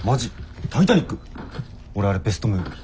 俺あれベストムービー。